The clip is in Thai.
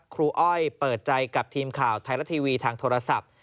อ้อยเปิดใจกับทีมข่าวไทยรัฐทีวีทางโทรศัพท์